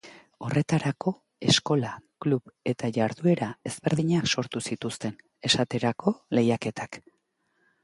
Horretarako eskola, klub eta jarduera ezberdinak sortu zituzten, esaterako lehiaketak.